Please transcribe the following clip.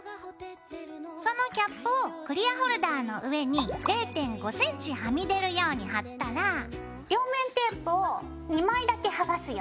そのキャップをクリアホルダーの上に０．５ｃｍはみ出るように貼ったら両面テープを２枚だけはがすよ。